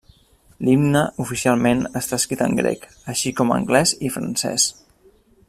L'Himne oficialment està escrit en grec, així com anglès i francès.